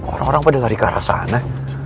orang orang pada lari ke arah sana